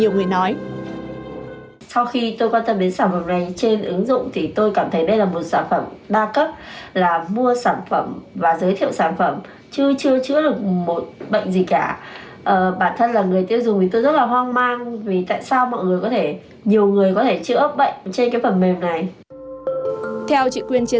một ngoại fierce